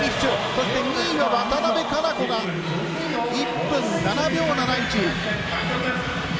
そして、２位の渡部香生子が１分７秒７１。